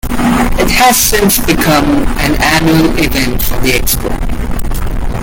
It has since become an annual event for the expo.